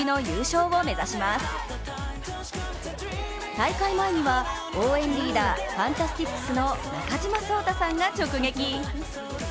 大会前には応援リーダーファンタスティックスの中島颯太さんが直撃。